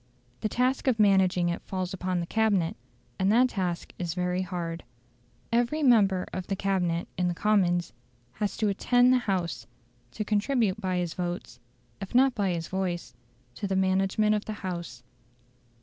The task of managing it falls upon the Cabinet, and that task is very hard. Every member of the Cabinet in the Commons has to "attend the House"; to contribute by his votes, if not by his voice, to the management of the House.